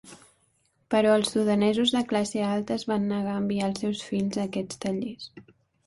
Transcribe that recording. Però els sudanesos de classe alta es van negar a enviar als seus fills a aquests tallers.